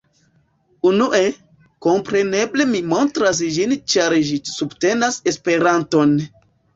Unue, kompreneble mi montras ĝin ĉar ĝi subtenas Esperanton